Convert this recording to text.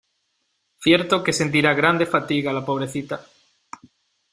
cierto que sentirá grande fatiga la pobrecita.